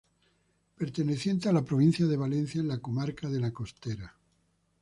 Perteneciente a la provincia de Valencia, en la comarca de La Costera.